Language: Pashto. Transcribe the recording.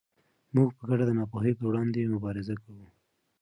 موږ په ګډه د ناپوهۍ پر وړاندې مبارزه کوو.